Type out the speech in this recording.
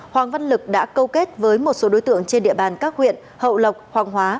hoàng văn lực đã câu kết với một số đối tượng trên địa bàn các huyện hậu lộc hoàng hóa